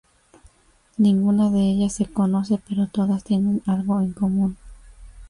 Ninguna de ellas se conoce, pero todas tienen algo en común.